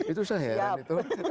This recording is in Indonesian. itu saya heran